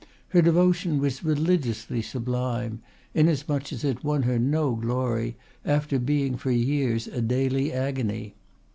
Her devotion was religiously sublime, inasmuch as it won her no glory after being, for years, a daily agony.